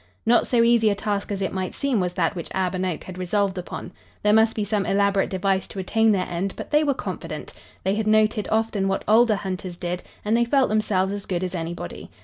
Not so easy a task as it might seem was that which Ab and Oak had resolved upon. There must be some elaborate device to attain their end, but they were confident. They had noted often what older hunters did, and they felt themselves as good as anybody.